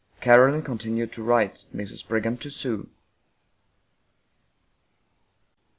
Caroline continued to write, Mrs. Brigham to sew.